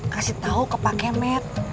kasih tahu ke pak kemet